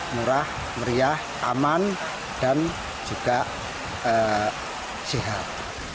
murah meriah aman dan juga sehat